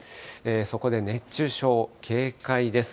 そこで熱中症警戒です。